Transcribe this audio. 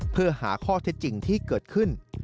เพื่อหาข้อเท็จจริงที่เกิดขึ้น